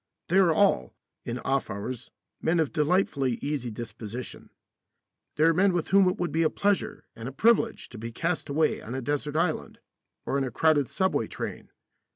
They are all, in off hours, men of delightfully easy disposition. They are men with whom it would be a pleasure and a privilege to be cast away on a desert island or in a crowded subway train.